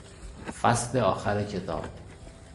فصل آخر کتاب